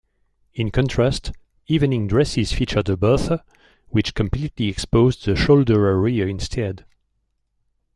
In contrast, evening dresses featured a Bertha, which completely exposed the shoulder area instead.